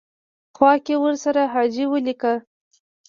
خوا کې ورسره حاجي ولیکه.